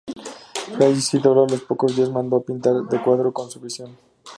Fray Isidoro a los pocos días mandó a pintar un cuadro con su visión.